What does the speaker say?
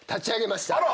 あら！